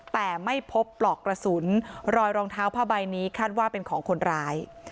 แต่ไม่พบปลอกกระสุนรอยรองเท้าผ้าใบนี้คาดว่าเป็นของคนร้าย